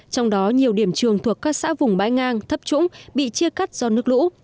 trong đó nhiều điểm trường thuộc các xã vùng bãi ngang thấp trũng bị chia cắt do nước lũ